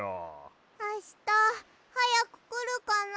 あしたはやくくるかな？